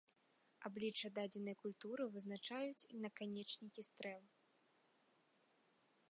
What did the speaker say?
Аблічча дадзенай культуры вызначаюць наканечнікі стрэл.